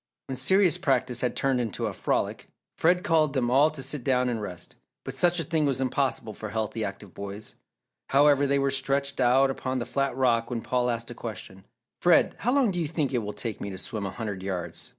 When serious practice had turned into a frolic, Fred called them all to sit down and rest, but such a thing was impossible for healthy active boys. However, they were stretched out upon the flat rock when Paul asked a question. "Fred, how long do you think it will take me to swim a hundred yards?